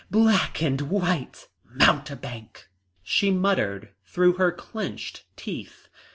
Black and white! Mountebank!" she muttered through her clenched teeth.